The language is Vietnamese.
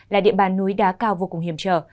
là địa bàn núi đá cao vô cùng hiểm trở